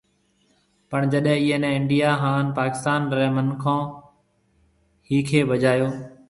پڻ جڏي ايئي ني انڊيا ھان پاڪستون ري منکون ۿيکي بجايو